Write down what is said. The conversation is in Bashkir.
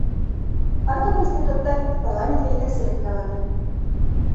Артабан депутаттар парламентҡа етәкселек һайланы.